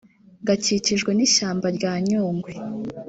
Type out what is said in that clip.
gakikijwe n’ishyamba rya Nyungwe